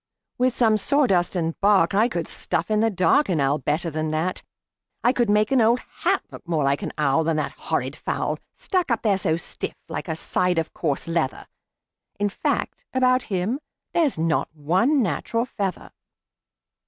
"With some sawdust and bark I could stuff in the dark An owl better than that. I could make an old hat Look more like an owl Than that horrid fowl, Stuck up there so stiff like a side of coarse leather. In fact, about him there's not one natural feather."